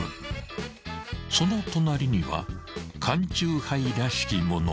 ［その隣には缶酎ハイらしきものも］